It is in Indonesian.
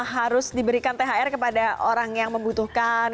harus diberikan thr kepada orang yang membutuhkan